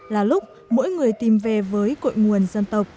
là lúc mỗi người tìm về với cội nguồn dân tộc